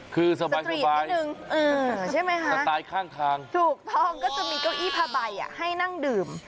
คือสบายสไตล์ข้างถูกพร้อมก็จะมีเก้าอี้พาใบให้นั่งดื่ม